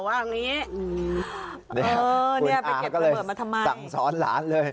คุณอาก็เลยสั่งซ้อนหลานเลย